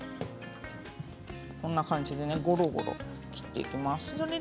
こんな感じでゴロゴロ切っていきます。